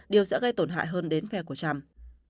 điều sẽ gây tổn hại hơn đến phe của trump